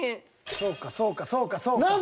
そうかそうかそうかそうか。